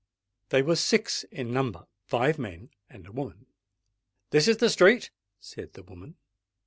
They were six in number—five men and a woman. "This is the street," said the woman.